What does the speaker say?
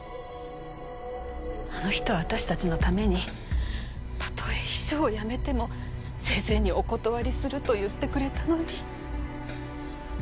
あの人は私たちのためにたとえ秘書を辞めても先生にお断りすると言ってくれたのに。